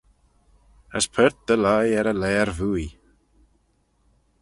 As paart dy lhie er yn laare vooie.